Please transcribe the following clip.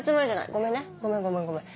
ごめんねごめんごめん。